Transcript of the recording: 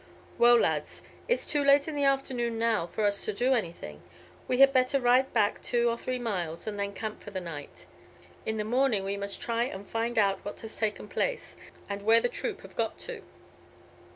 Well, lads, it's too late in the afternoon now for us to do anything. We had better ride back two or three miles and then camp for the night. In the morning we must try and find out what has taken place, and where the troop have got to."